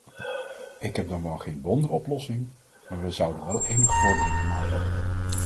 Ik heb dan wel geen wonderoplossing, maar we zouden wel enige vorderingen maken.